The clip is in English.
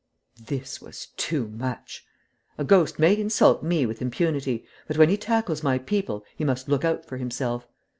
This was too much. A ghost may insult me with impunity, but when he tackles my people he must look out for himself.